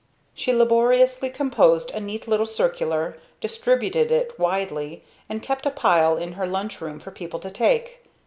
She laboriously composed a neat little circular, distributed it widely, and kept a pile in her lunch room for people to take.